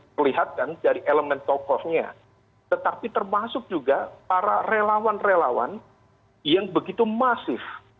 perlihatkan dari elemen tokohnya tetapi termasuk juga para relawan relawan yang begitu masif